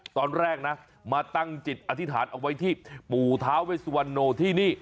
ตอนแรกนะมาตั้งจิตอธิษฐานเอาไว้ที่ปู่ท้าเวสวันโนที่นี่